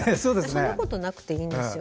そんなことなくていいんです。